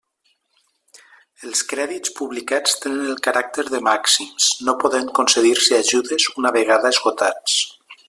Els crèdits publicats tenen el caràcter de màxims, no podent concedir-se ajudes una vegada esgotats.